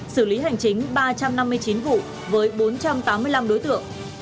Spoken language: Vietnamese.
xử lý hành chính ba trăm năm mươi chín vụ với bốn trăm tám mươi năm đối tượng